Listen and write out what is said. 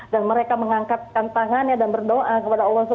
dan mereka mengangkatkan tangannya dan berdoa kepada allah swt